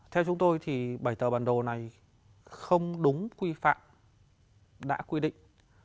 theo chúng tôi thì bảy tờ bản đồ này không đúng quy phạm đã quy định